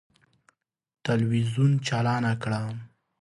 تلویزون چالانه کړه!